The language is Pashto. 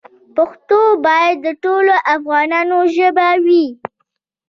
پښتو باید د ټولو افغانانو ژبه وي.